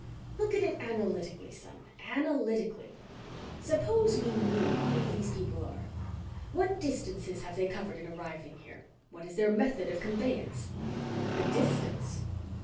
Look at it analytically, son, analytically. Suppose we knew who these people are. What distances have they covered in arriving here? What is their method of conveyance?" "The distance?